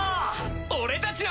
俺たちの。